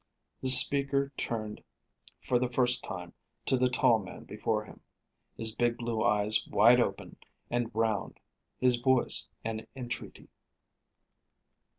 The speaker turned for the first time to the tall man before him, his big blue eyes wide open and round, his voice an entreaty.